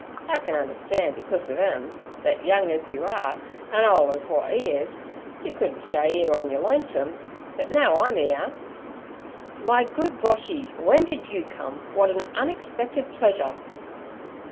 I can un'er'stan' becus ov 'em, thet young ez you are, an' ole ez w'at 'e is, yer couldn' stay 'ere on yer lonesome. But now I'm 'ere—' 'My good Boshy! When did you come? What an unexpected pleasure!'